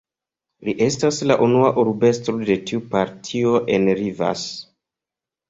Li estas la unua urbestro de tiu partio en Rivas.